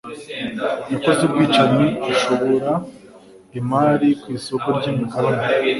Yakoze ubwicanyi ashora imari ku isoko ryimigabane.